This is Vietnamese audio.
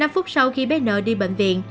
năm phút sau khi bé n đi bệnh viện